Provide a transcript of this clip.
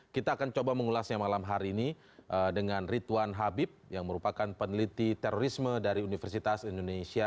kita akan coba mengulasnya malam hari ini dengan ritwan habib yang merupakan peneliti terorisme dari universitas indonesia